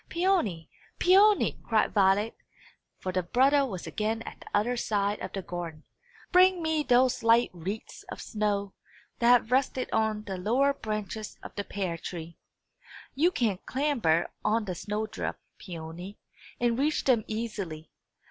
"Peony, Peony!" cried Violet; for the brother was again at the other side of the garden. "Bring me those light wreaths of snow that have rested on the lower branches of the pear tree. You can clamber on the snow drift, Peony, and reach them easily.